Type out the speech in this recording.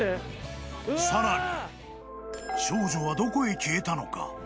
更に少女はどこへ消えたのか。